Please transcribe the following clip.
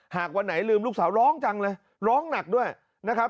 วันไหนลืมลูกสาวร้องจังเลยร้องหนักด้วยนะครับ